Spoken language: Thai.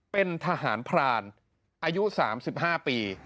เป็นทหารพรานอายุ๓๕ปี